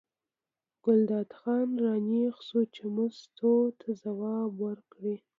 ګلداد خان را نېغ شو چې مستو ته ځواب ورکړي.